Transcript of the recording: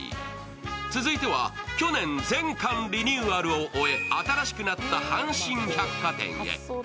続いては、去年全館リニューアルを終え新しくなった阪神百貨店へ。